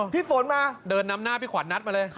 พี่ฝนมาเดินนำหน้าพี่ขวัญนัดมาเลย